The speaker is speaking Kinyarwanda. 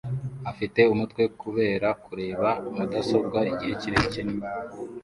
Afite umutwe kubera kureba mudasobwa igihe kirekire